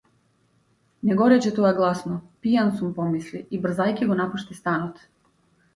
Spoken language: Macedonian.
Не го рече тоа гласно, пијан сум помисли, и брзајќи го напушти станот.